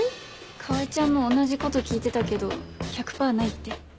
川合ちゃんも同じこと聞いてたけど１００パーないって。